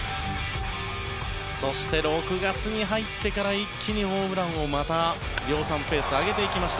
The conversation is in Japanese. そして、６月に入ってから一気にホームランをまた、量産ペースを上げていきました。